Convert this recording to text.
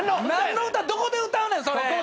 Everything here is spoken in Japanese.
何の歌どこで歌うねんそれ。